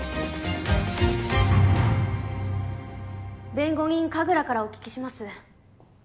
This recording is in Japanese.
弁護人神楽からお聞きします。